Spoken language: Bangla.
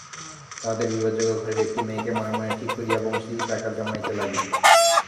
তাহাদের বিবাহযোগ্য ঘরের একটি মেয়েকে মনে মনে ঠিক করিয়া বংশী টাকা জমাইতে লাগিল।